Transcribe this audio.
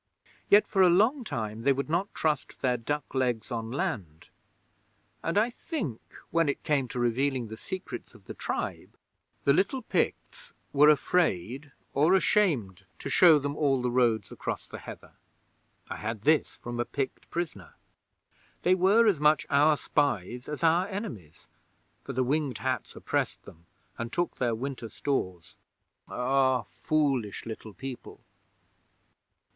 Yet for a long time they would not trust their duck legs on land, and I think, when it came to revealing the secrets of the tribe, the little Picts were afraid or ashamed to show them all the roads across the heather. I had this from a Pict prisoner. They were as much our spies as our enemies, for the Winged Hats oppressed them, and took their winter stores. Ah, foolish Little People!